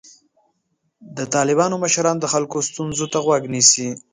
د طالبانو مشران د خلکو ستونزو ته غوږ نیسي.